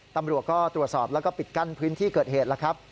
ตำรวจก็ตรวจสอบแล้วก็ปิดกั้นพื้นที่เกิดเหตุแล้วครับ